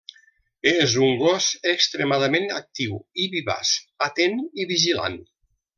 És un gos extremadament actiu i vivaç, atent i vigilant.